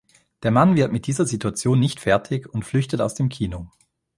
Der Mann wird mit dieser Situation nicht fertig und flüchtet aus dem Kino.